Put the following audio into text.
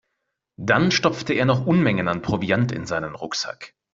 Dann stopfte er noch Unmengen an Proviant in seinen Rucksack.